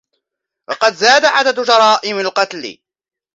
وقد زاد عدد جرائم القتل.